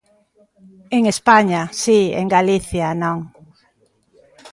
En España, si; en Galicia, non.